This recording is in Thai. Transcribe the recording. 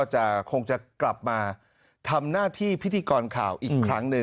คงจะกลับมาทำหน้าที่พิธีกรข่าวอีกครั้งหนึ่ง